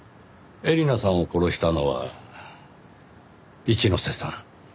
絵里奈さんを殺したのは一之瀬さん